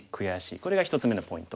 これが１つ目のポイント。